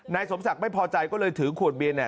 นายสมศักดิ์ไม่พอใจก็เลยถือขวดเบียน